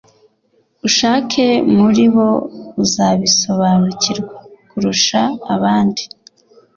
Ushake muri bo uzabisobanukirwa kurusha abandi